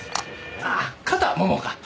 ああ肩ももうか？